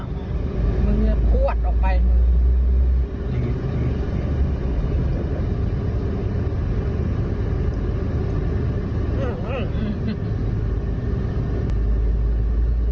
อาการมันเป็นอย่างไรวะนี่